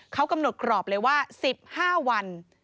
เขากำหนดกรอบเลยว่า๑๕วัน